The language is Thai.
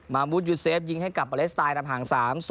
มามูดยูเซฟยิงให้กลับอเลสไตน์ทางห่าง๓๐